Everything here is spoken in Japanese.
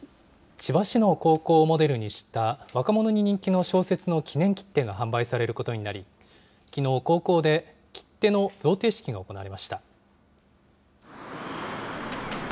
千葉市の高校をモデルにした、若者に人気の小説の記念切手が販売されることになり、きのう高校で切手の贈呈式が行われました。